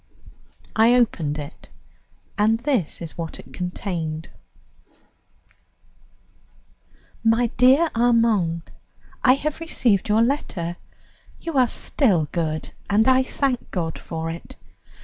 I opened it, and this is what it contained: "MY DEAR ARMAND:—I have received your letter. You are still good, and I thank God for it.